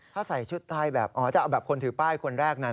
ถ้าใส่ชุดไทยแบบอ๋อจะเอาแบบคนถือป้ายคนแรกนั้น